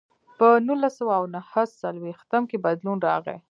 په نولس سوه او نهه څلوېښتم کې بدلون راغی.